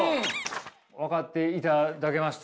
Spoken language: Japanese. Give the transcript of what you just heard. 分かっていただけました？